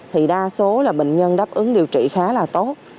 thì đa số là bệnh nhân đáp ứng điều trị khá là tốt